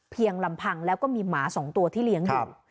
เพียงลำพังแล้วก็มีหมา๒ตัวที่เลี้ยงอยู่